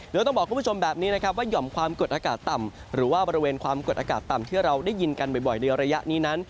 โดยต้องบอกคุณผู้ชมแบบนี้นะครับว่าหย่อมความกดอากาศต่ำหรือว่าบริเวณความกดอากาศต่ำที่เราได้ยินกันบ่อยในระยะนี้นั้น